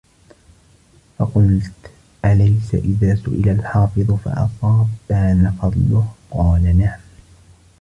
فَقُلْت أَلَيْسَ إذَا سُئِلَ الْحَافِظُ فَأَصَابَ بَانَ فَضْلُهُ ؟ قَالَ نَعَمْ